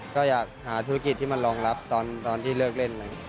ก็อยากหาธุรกิจที่มันรองรับตอนที่เลิกเล่น